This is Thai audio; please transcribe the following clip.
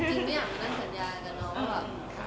แล้วเราต้องยังมีต่อไปในสังโลกนะครับ